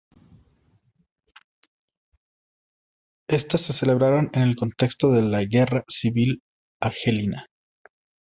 Estas se celebraron en el contexto de la Guerra Civil Argelina.